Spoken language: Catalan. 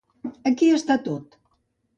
Aquí està tot.